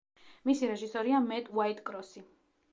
მისი რეჟისორია მეტ უაიტკროსი.